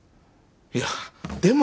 いやでも